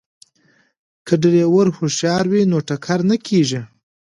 که ډریور هوښیار وي نو ټکر نه کیږي.